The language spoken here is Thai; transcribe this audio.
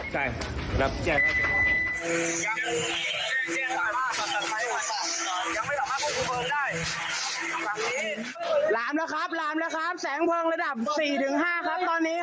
ครับตอนนี้ครับ